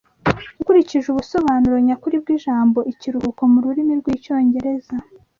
Ukurikije ubusobanuro nyakuri bw’ijambo ikiruhuko mu rurimi rw’Icyongereza